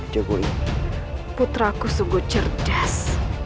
jadwal putra aku sungguh cerdas